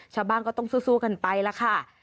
ชาวบ้านก็ต้องสู้กันไปแล้วค่ะ